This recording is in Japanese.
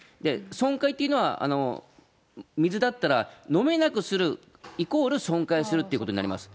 損壊というのは、水だったら飲めなくする、イコール損壊するということになります。